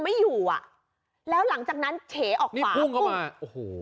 ไม่อยู่แล้วหลังจากนั้นเฉออกฝ่านี่ภูมิก็มาโอ้โห